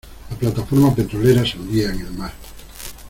La plataforma petrolera se hundía en el mar.